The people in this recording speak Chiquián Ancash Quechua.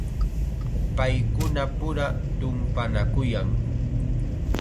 Paykunapura tumpanakuyan.